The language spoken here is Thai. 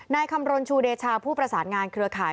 นายคำลนชูเดชาภูปราสาทงานเครือข่าย